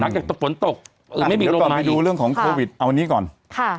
หลังจากฝนตกเออไม่มีโรคมาอีกเราไปดูเรื่องของโควิดเอาอันนี้ก่อนค่ะ